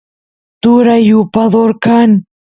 turay yupador kan